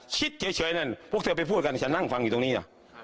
เฉยนั่นพวกเธอไปพูดกันฉันนั่งฟังอยู่ตรงนี้เหรอ